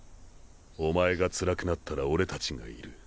お前がつらくなったら俺たちがいる。